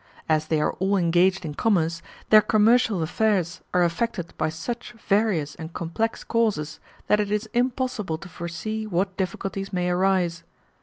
As they are all engaged in commerce, their commercial affairs are affected by such various and complex causes that it is impossible to foresee what difficulties may arise.